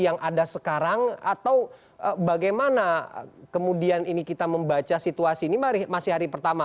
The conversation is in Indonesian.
yang ada sekarang atau bagaimana kemudian ini kita membaca situasi ini masih hari pertama